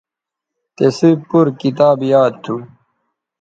تِسئ پور کتاب یاد تھو